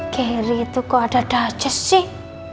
keri itu kok ada daca sih